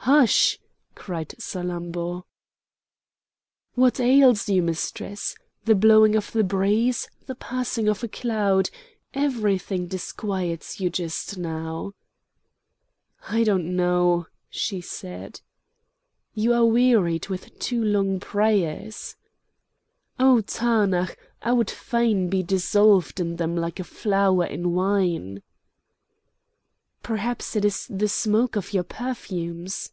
"Hush!" cried Salammbô. "What ails you, mistress? The blowing of the breeze, the passing of a cloud, everything disquiets you just now!" "I do not know," she said. "You are wearied with too long prayers!" "Oh! Tanaach, I would fain be dissolved in them like a flower in wine!" "Perhaps it is the smoke of your perfumes?"